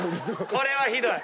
これもひどい。